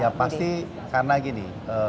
ya pasti karena gini